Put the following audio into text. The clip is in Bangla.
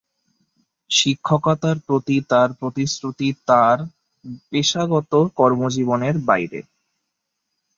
শিক্ষকতার প্রতি তাঁর প্রতিশ্রুতি তাঁর পেশাগত কর্মজীবনের বাইরে।